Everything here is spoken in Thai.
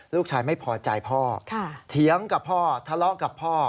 ลูกชายไม่พอใจพ่อเถียงกับพ่อทะเลาะกับพ่อ